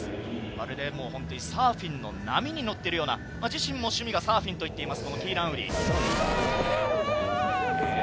まるでサーフィンの波に乗っているような、自身も趣味がサーフィンと言っています。